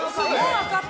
分かった！